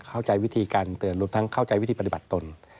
เข้าใจวิธีการเตือนรวมทั้งเข้าใจวิธีปฏิบัติตน